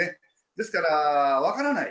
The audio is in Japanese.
ですから、分からない。